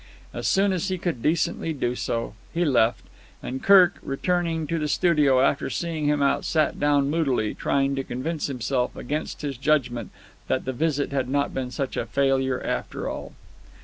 As soon as he could decently do so, he left, and Kirk, returning to the studio after seeing him out, sat down moodily, trying to convince himself against his judgment that the visit had not been such a failure after all.